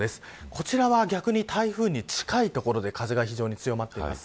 こちらは逆に台風に近い所で風が非常に強まっています。